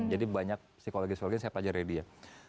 jadi banyak psikologi psikologi yang saya pelajari dari dia